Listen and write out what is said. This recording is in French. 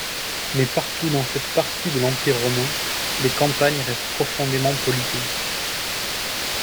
Mais partout dans cette partie de l’Empire romain, les campagnes restent profondément polythéistes.